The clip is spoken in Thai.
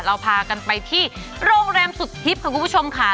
เราพากันไปที่โรงแรมสุดฮิตค่ะคุณผู้ชมค่ะ